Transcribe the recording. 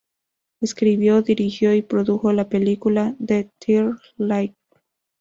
Escribió, dirigió y produjo la película "The Third Light".